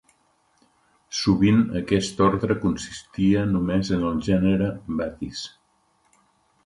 Sovint aquest ordre consistia només en el gènere "Batis".